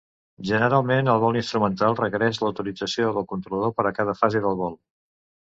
Generalment, el vol instrumental requereix l'autorització del controlador per a cada fase del vol.